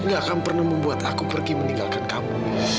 gak akan pernah membuat aku pergi meninggalkan kamu